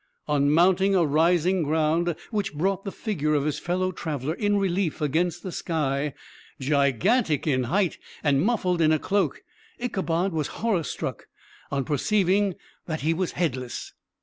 On mounting a rising ground, which brought the figure of his fellow traveler in relief against the sky, gigantic in height, and muffled in a cloak, Ichabod was horror struck, on perceiving that he was headless!